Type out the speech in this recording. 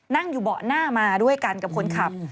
นั่งอยู่เบาะหน้ามาด้วยกันกับคนขับ